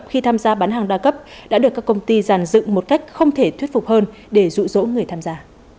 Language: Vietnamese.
khi tham gia bán hàng đa cấp đã được các công ty giàn dựng một cách không thể thuyết phục hơn để rụ rỗ người tham gia